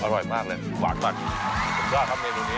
อร่อยมากเลยหวานมาก